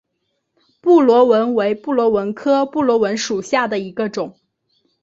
布纹螺为布纹螺科布纹螺属下的一个种。